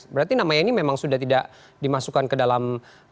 berarti namanya ini memang sudah tidak dimasukkan ke dalam